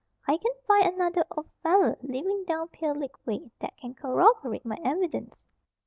I can find another old feller, livin' down Pale Lick way, that can corroborate my evidence.